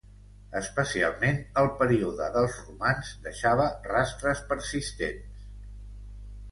Especialment el Període dels romans deixava rastres persistents.